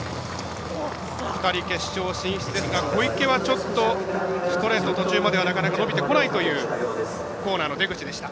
２人、決勝進出ですが小池はちょっとストレート途中まではなかなか伸びてこないというコーナーの出口でした。